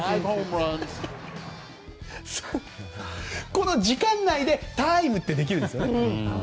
この時間内でタイム！ってできるんですよね。